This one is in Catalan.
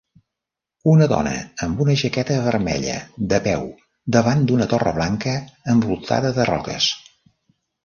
Una dona amb una jaqueta vermella de peu davant d'una torre blanca envoltada de roques.